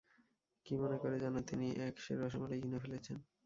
কি মনে করে যেন তিনি এক সের রসমালাই কিনে ফেলেছেন।